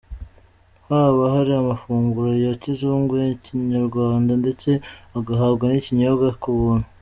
Haba hari amafunguro ya kizungu, ya Kinyarwanda ndetse ugahabwa n’ikinyobwa ku buntu.